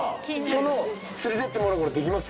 その連れてってもらう事できます？